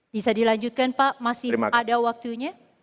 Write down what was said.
bisa dilanjutkan pak masih ada waktunya